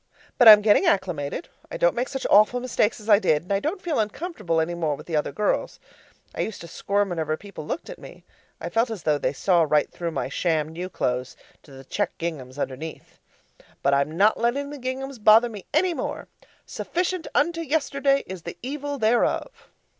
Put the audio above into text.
But I'm getting acclimated. I don't make such awful mistakes as I did; and I don't feel uncomfortable any more with the other girls. I used to squirm whenever people looked at me. I felt as though they saw right through my sham new clothes to the checked ginghams underneath. But I'm not letting the ginghams bother me any more. Sufficient unto yesterday is the evil thereof.